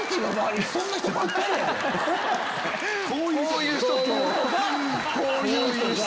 こういう人とこういう人。